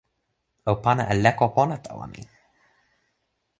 o pana e leko pona tawa mi!